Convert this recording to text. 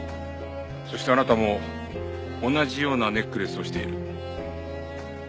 そしてあなたも同じようなネックレスをしている。